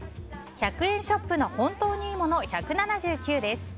１００円ショップの本当にいいもの１７９です。